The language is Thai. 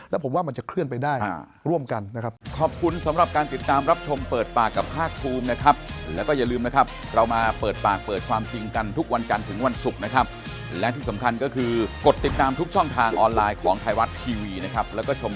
แล้วผมว่ามันจะเคลื่อนไปได้ร่วมกันนะครับ